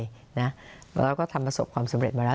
แล้วก็ทำประสบความสำเร็จมาแล้ว